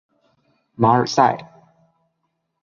马尔萨。